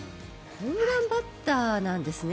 ホームランバッターなんですね。